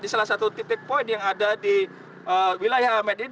di salah satu titik poin yang ada di wilayah medan